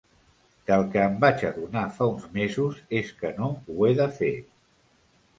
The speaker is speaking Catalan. Del que em vaig adonar fa uns mesos és que no ho he de fer.